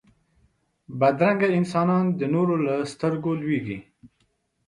بدرنګه انسانونه د نورو له سترګو لوېږي